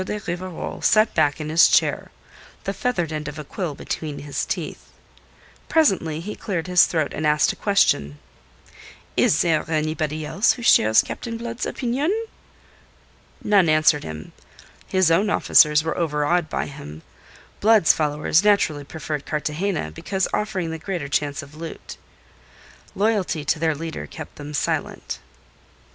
de Rivarol sat back in his chair, the feathered end of a quill between his teeth. Presently he cleared his throat and asked a question. "Is there anybody else who shares Captain Blood's opinion?" None answered him. His own officers were overawed by him; Blood's followers naturally preferred Cartagena, because offering the greater chance of loot. Loyalty to their leader kept them silent.